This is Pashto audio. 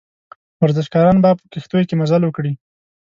ورزشکاران به په کښتیو کې مزل وکړي.